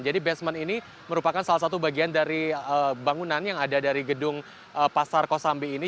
basement ini merupakan salah satu bagian dari bangunan yang ada dari gedung pasar kosambi ini